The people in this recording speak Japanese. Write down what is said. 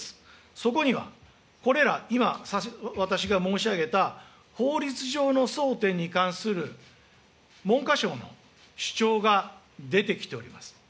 そこにはこれら、今、私が申し上げた、法律上の争点に関する文科省の主張が出てきております。